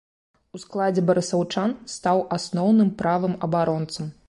У складзе барысаўчан стаў асноўным правым абаронцам.